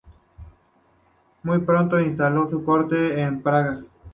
Muy pronto instaló su corte en Praga.